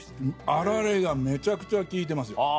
あられがめちゃくちゃ効いてますよ。